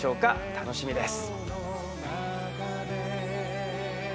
楽しみです。